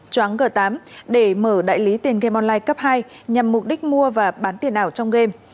chóng g tám để mở đại lý tiền gam online cấp hai nhằm mục đích mua và bán tiền ảo trong game